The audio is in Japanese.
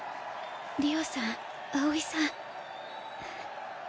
莉央さん葵さん。